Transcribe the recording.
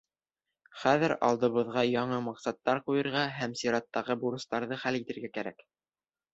Хәҙер алдыбыҙға яңы маҡсаттар ҡуйырға һәм сираттағы бурыстарҙы хәл итергә кәрәк.